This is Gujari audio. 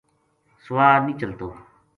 سوا نیہہ چلتو‘‘